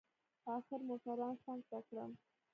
اخر موټروان څنگ ته کړم.